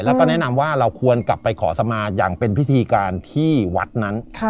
แล้วก็แนะนำว่าเราควรกลับไปขอสมาอย่างเป็นพิธีการที่วัดนั้น